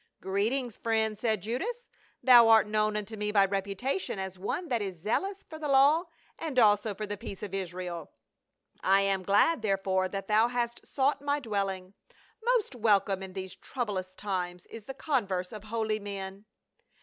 "Greetings, friend," said Judas, "thou art known unto me by reputation as one that is zealous for the law and also for the peace of Israel ; I am glad, there fore, that thou hast sought my dwelling. Most wel come in these troublous times is the converse of holy men."